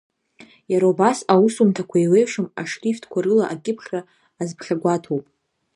Иара убас, аусумҭақәа еиуеиԥшым ашрифтқәа рыла акьыԥхьра азԥхьагәаҭоуп.